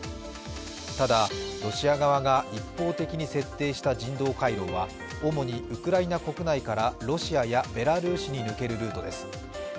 ただ、ロシア側が一方的に設定した人道回廊は、主にウクライナ国内からロシアやベラルーシに抜けるルートです。